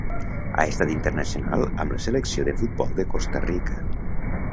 Ha estat internacional amb la selecció de futbol de Costa Rica.